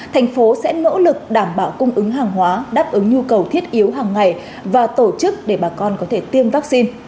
thành phố sẽ nỗ lực đảm bảo cung ứng hàng hóa đáp ứng nhu cầu thiết yếu hàng ngày và tổ chức để bà con có thể tiêm vaccine